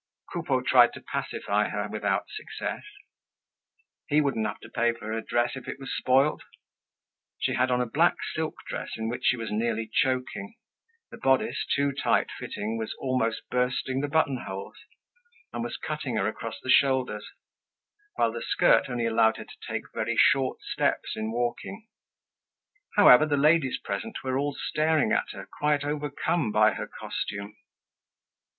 Coupeau tried to pacify her without success. He wouldn't have to pay for her dress if it was spoilt! She had on a black silk dress in which she was nearly choking, the bodice, too tight fitting, was almost bursting the button holes, and was cutting her across the shoulders; while the skirt only allowed her to take very short steps in walking. However, the ladies present were all staring at her, quite overcome by her costume.